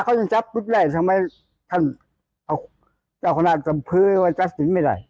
เขายังจับรูปได้ทำไมท่านเอาเจ้าคณะจำพื้นว่าจัดสินไม่ได้